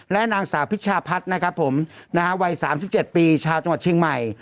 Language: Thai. และนางสาวพิชาพัฒน์นะครับผมนะฮะวัย๓๗ปีชาวจังหวัดเชียงใหม่